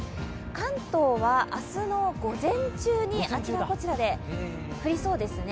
関東は明日の午前中にあちらこちらで降りそうですね。